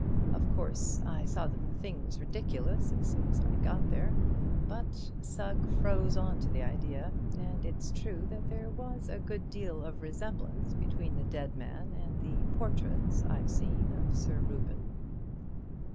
Of course, I saw that the thing was ridiculous as soon as I got there, but Sugg froze on to the idea—and it's true there was a good deal of resemblance between the dead man and the portraits I've seen of Sir Reuben."